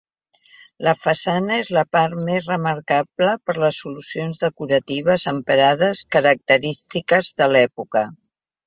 La façana és la part més remarcable per les solucions decoratives emprades característiques de l'època.